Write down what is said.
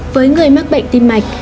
với người mắc bệnh tim mạch